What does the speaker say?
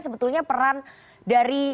sebetulnya peran dari